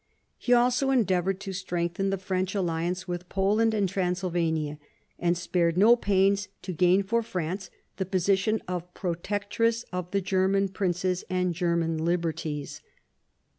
He also endeavoured to strengthen the French alliance with Poland and Transylvania, and spared no pains to gain for France the position of pro tectress of the German princes and German liberties.